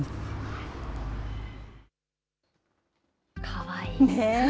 かわいい。